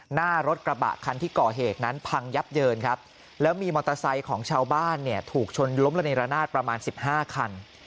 หน้ารถกระบะคันที่ก่อเหตุนั้นพังยับเยินครับแล้วมีมอเตอร์ไซค์ของชาวบ้านเนี่ยถูกชนล้มระเนรนาศประมาณ๑๕คัน